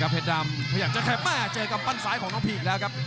พยายามจะแคปแม่เจอกับปั้นซ้ายของน้องพี่อีกแล้วครับ